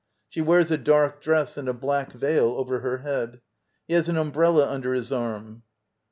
She wears a dark dress and a black veil over her head. He has an umbrella under his arm.